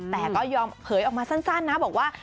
แต่ก็ยอมเผยออกมาสั้นนะบอกว่า